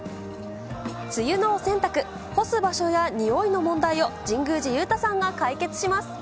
梅雨のお洗濯、干す場所や臭いの問題を神宮寺勇太さんが解決します。